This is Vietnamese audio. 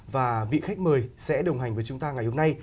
và vị khách mời sẽ đồng hành với chúng ta ngày hôm nay